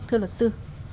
thưa luật sư